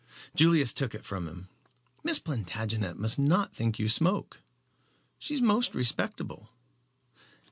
Julius took it from him. "Miss Plantagenet must not think you smoke, Jerry. She is most respectable."